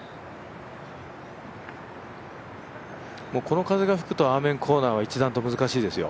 この風が吹くとアーメンコーナーは一段と難しいですよ。